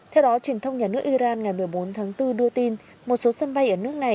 theo đó truyền thông nhà nước iran ngày một mươi bốn tháng bốn đưa tin một số sân bay ở nước này